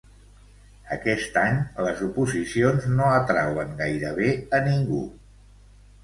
Aquest any les oposicions no atrauen gairebé a ningú